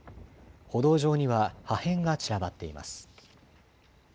歩道上には破片が散らばっています。